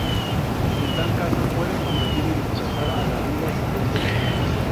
En tal caso pueden competir y desplazar a la vida silvestre nativa.